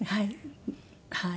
はい。